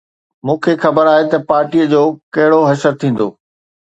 مون کي خبر آهي ته پارٽيءَ جو ڪهڙو حشر ٿيندو